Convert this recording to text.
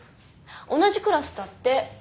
同じクラスだって。